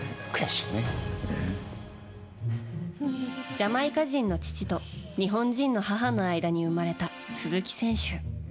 ジャマイカ人の父と日本人の母の間に生まれた鈴木選手。